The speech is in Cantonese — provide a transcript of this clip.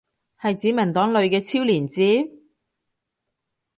係指文檔裏嘅超連接？